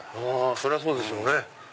そりゃそうでしょうね。